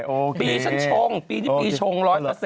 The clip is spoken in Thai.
ปีฉันชงปีนี้ปีชง๑๐๐